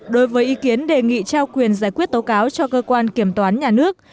đối với ý kiến đề nghị trao quyền giải quyết tố cáo cho cơ quan kiểm toán nhà nước